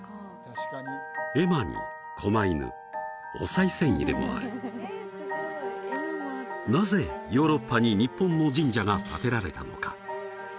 絵馬に狛犬お賽銭入れもあるなぜヨーロッパに日本の神社が建てられたのか？